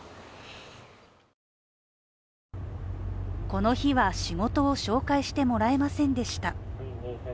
この日は、仕事を紹介してもらえませんでした。